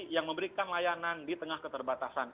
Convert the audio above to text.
yang memberikan layanan di tengah keterbatasan